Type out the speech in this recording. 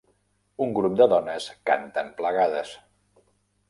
Un grup de dones canten plegades.